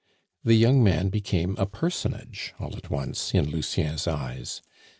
The young man became a personage all at once in Lucien's eyes.